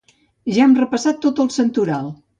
Ja hem repassat tot el santoral